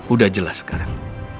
udah jelas sekarang